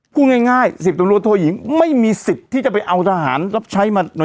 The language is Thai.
พูดง่าย๑๐ตำรวจโทยิงไม่มีสิทธิ์ที่จะไปเอาทหารรับใช้มา